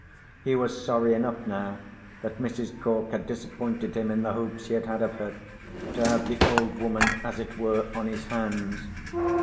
He was sorry enough now that Mrs. Cork had disappointed him in the hopes he had had of her, to have the old woman, as it were, on his hands.